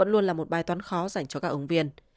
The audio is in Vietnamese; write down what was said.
luôn là một bài toán khó dành cho các ứng viên